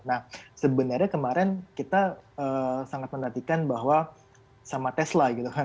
nah sebenarnya kemarin kita sangat menantikan bahwa sama tesla gitu kan